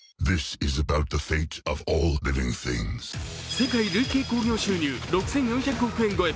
世界累計興行収入６４００億円超え